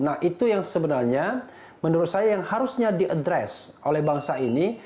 nah itu yang sebenarnya menurut saya yang harusnya diadres oleh bangsa ini